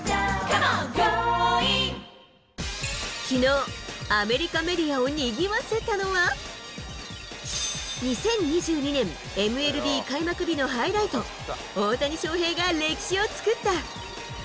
きのう、アメリカメディアをにぎわせたのは、２０２２年ＭＬＢ開幕日のハイライト、大谷翔平が歴史を作った。